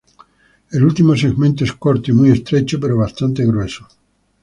El último segmento es corto y muy estrecho, pero bastante grueso.